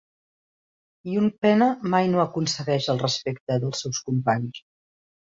I un pena mai no aconsegueix el respecte dels seus companys.